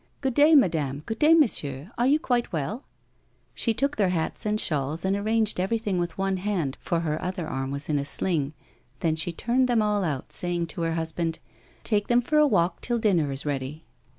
" Good day, madame, good day, monsieur ; are you quite well 1 " She took their hats and shawls and arranged every, thing with one hand, for her other arm was in a sling ; then she turned them all out, saying to her husband, " Take them for a walk till dinner is ready."